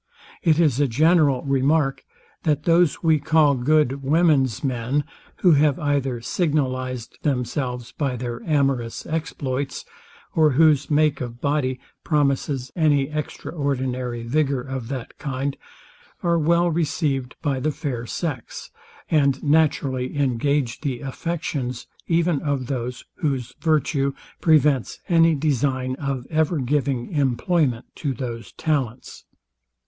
It is a general remark, that those we call good women's men, who have either signalized themselves by their amorous exploits, or whose make of body promises any extraordinary vigour of that kind, are well received by the fair sex, and naturally engage the affections even of those, whose virtue prevents any design of ever giving employment to those talents.